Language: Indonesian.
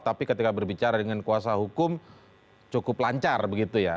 tapi ketika berbicara dengan kuasa hukum cukup lancar begitu ya